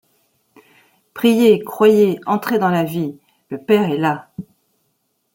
Priez, croyez, entrez dans la vie! le Père est là.